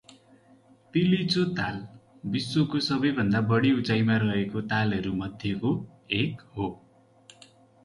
तिलिचो ताल विश्वको सबैभन्दा बढी उचाईमा रहेका तालहरूमध्येको एक हो ।